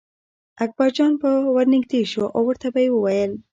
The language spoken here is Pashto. اکبرجان به ور نږدې شو او ورته به یې ویل.